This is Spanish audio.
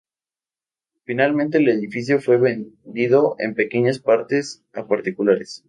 Finalmente, el edificio fue vendido en pequeñas partes a particulares.